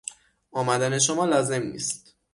آمدن شما لازم نیست.